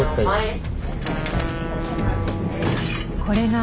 はい。